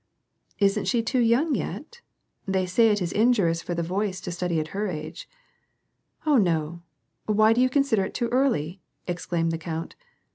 " Isn't she too young yet ? They say it is injurious for the voice to study at her age." " Oh no I why do you consider it too early? " exclaimed the count.